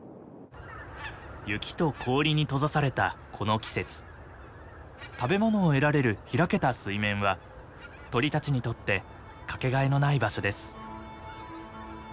雪と氷に閉ざされたこの季節食べ物を得られる開けた水面は鳥たちにとってかけがえのない場所です。